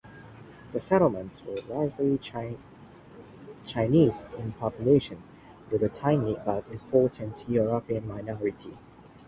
The Settlements were largely Chinese in population, with a tiny but important European minority.